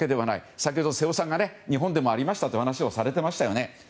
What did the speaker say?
先ほど瀬尾さんが日本でもありましたという話をされていましたよね。